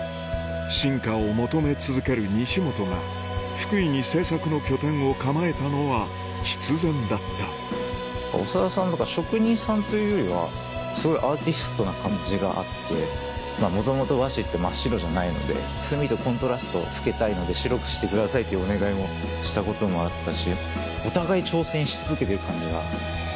進化を求め続ける西元が福井に制作の拠点を構えたのは必然だった長田さんとか職人さんというよりはすごいアーティストな感じがあってもともと和紙って真っ白じゃないので墨とコントラストをつけたいので白くしてくださいっていうお願いをしたこともあったし。